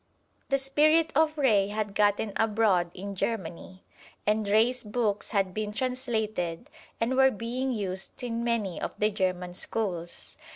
The spirit of Ray had gotten abroad in Germany, and Ray's books had been translated and were being used in many of the German schools.